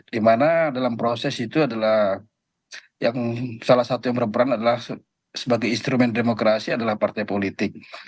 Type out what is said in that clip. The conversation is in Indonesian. dimana dalam proses itu adalah salah satu yang berperan adalah sebagai instrumen demokrasi adalah partai politik